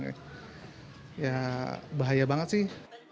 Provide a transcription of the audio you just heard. ya bahaya banget sih